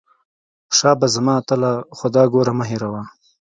شابه زما اتله خو دا ګوره مه هېروه.